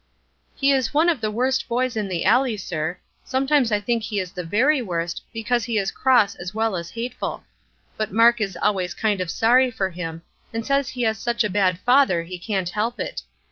"He is one of the worst boys in the alley, sir; sometimes I think he is the very worst, because he is cross as well as hateful; but Mark is always kind of sorry for him, and says he has such a bad father he can't help it.